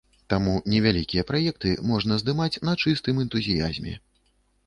Таму невялікія праекты можна здымаць на чыстым энтузіязме.